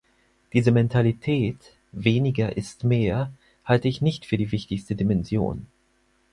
Diese Mentalität "weniger ist mehr" halte ich nicht für die wichtigste Dimension.